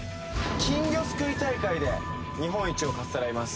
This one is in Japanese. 金魚すくい大会で日本一をかっさらいます